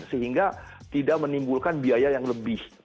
sehingga tidak menimbulkan biaya yang lebih